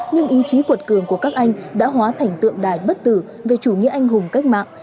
nhưng ý chí cuột cường của các anh đã hóa thành tượng đài bất tử về chủ nghĩa anh hùng cách mạng